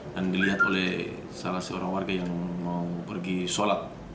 dan dilihat oleh salah seorang warga yang mau pergi sholat